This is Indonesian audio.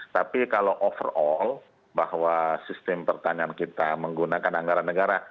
tapi kalau overall bahwa sistem pertanian kita menggunakan anggaran negara